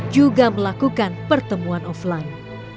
juga melakukan pertemuan offline